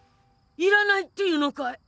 いらないって言うのかい？